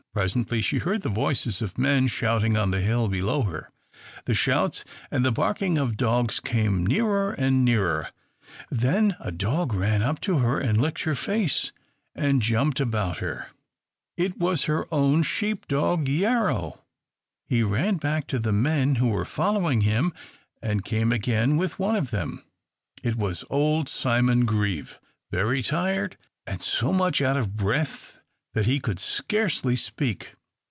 Presently she heard the voices of men shouting on the hill below her. The shouts and the barking of dogs came nearer and nearer. Then a dog ran up to her, and licked her face, and jumped about her. [Illustration: Page 267] It was her own sheepdog, Yarrow. He ran back to the men who were following him, and came again with one of them. It was old Simon Grieve, very tired, and so much out of breath that he could scarcely speak.